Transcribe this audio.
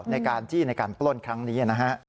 ในการจี้ในการปล้นครั้งนี้นะฮะ